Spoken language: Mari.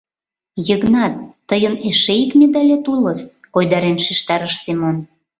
— Йыгнат, тыйын эше ик медалет улыс, — койдарен шижтарыш Семон.